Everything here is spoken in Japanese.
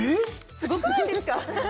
すごくないですか？